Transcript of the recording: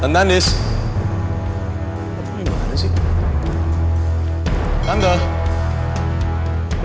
dunia orang berat banget sih